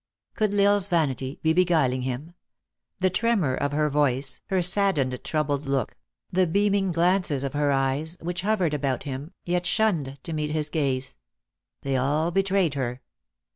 Could L Isle s vanity be beguiling him? The tre mor of her voice, her saddened troubled look, the beaming glances of her ej T es, which hovered about him, yet shunned to meet his gaze they all betrayed her.